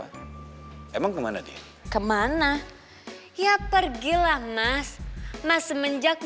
enggak tahu ke mana sekarang maksudnya reva emang kemana dia kemana ya pergilah mas mas semenjak